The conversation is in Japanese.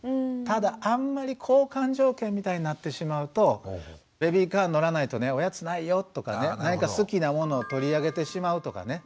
ただあんまり交換条件みたいになってしまうと「ベビーカーに乗らないとおやつないよ」とかね何か好きなものを取り上げてしまうとかね